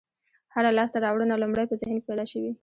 هره لاستهراوړنه لومړی په ذهن کې پیدا شوې.